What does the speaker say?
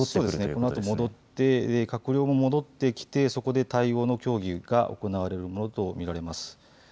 このあと戻って閣僚も戻ってきてそこで対応の協議が行われるものと見られます。